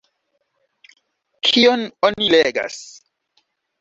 Kion oni legas?